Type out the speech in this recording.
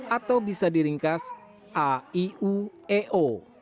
atau bisa diringkas aiueo